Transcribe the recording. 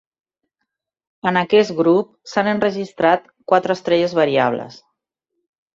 En aquest grup s'han enregistrat quatre estrelles variables.